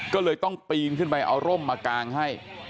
ก็เลยต้องปีนขึ้นไปเอาร่มมากางให้